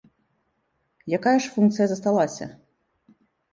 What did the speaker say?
Якая ж функцыя засталася?